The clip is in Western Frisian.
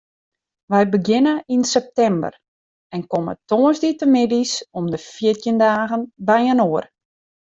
Wy begjinne yn septimber en komme tongersdeitemiddeis om de fjirtjin dagen byinoar.